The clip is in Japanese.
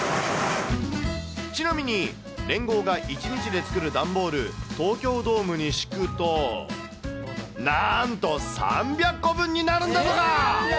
ちなみに、レンゴーが１日で作る段ボール、東京ドームに敷くと、なんと３００個分になるんだとか。